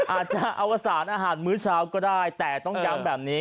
อาจจะอวสารอาหารมื้อเช้าก็ได้แต่ต้องย้ำแบบนี้